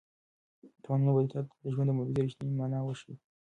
تاوانونه به تا ته د ژوند د مبارزې رښتینې مانا وښيي.